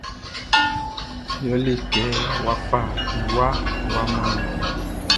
Ye le kɛ wa fa iwa wa man yé.